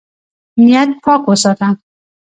نیت پاک وساته.